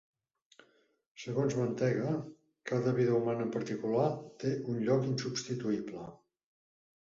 Segons Mantega, cada vida humana en particular té un lloc insubstituïble.